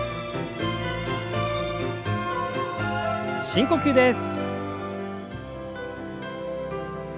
深呼吸です。